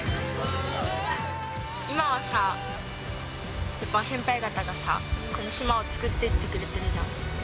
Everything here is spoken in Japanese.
今はさ、やっぱ先輩方がさ、この島を作っていってくれてるじゃん。